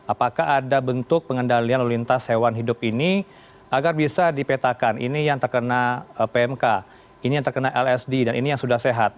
apakah ada bentuk pengendalian lalu lintas hewan hidup ini agar bisa dipetakan ini yang terkena pmk ini yang terkena lsd dan ini yang sudah sehat